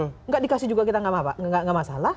tidak dikasih juga kita nggak masalah